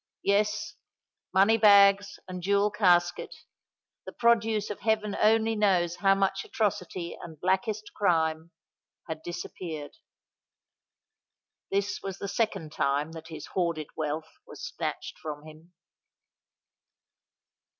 Yes:—money bags and jewel casket—the produce of heaven only knows how much atrocity and blackest crime—had disappeared. This was the second time that his hoarded wealth was snatched from him.